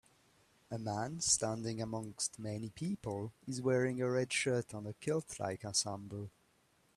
A man, standing amongst many people, is wearing a red shirt and a kiltlike ensemble.